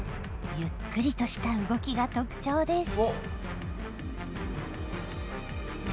ゆっくりとした動きが特徴です。